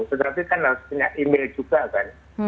tetapi kan harus punya email juga kan